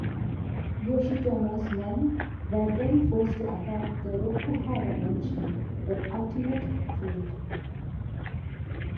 Yoshitomo's men were then forced to attack the Rokuhara mansion, but ultimate failed.